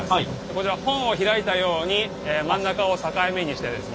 こちら本を開いたように真ん中を境目にしてですね